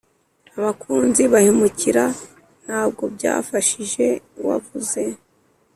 abakunzi bahemukira. ntabwo byafashije. wavuze